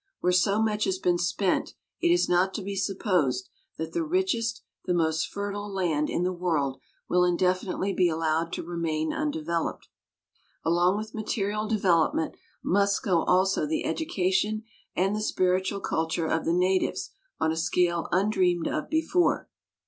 Where so much has been spent it is not to be supposed that the richest, the most fertile, land in the world will indefinitely be allowed to re main undeveloped. Along with material de velopment must go also the education and the spiritual culture of the natives on a scale undreamed of before.